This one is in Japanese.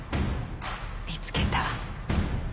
見つけた。